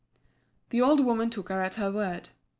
The old woman took her at her word.